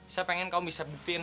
saya pengen kamu bisa bikin